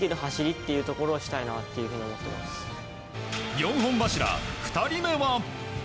４本柱、２人目は。